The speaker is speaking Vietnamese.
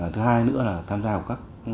thứ hai nữa là tham gia vào các